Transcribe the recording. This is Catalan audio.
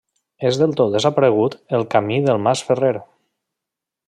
És del tot desaparegut el Camí del Mas Ferrer.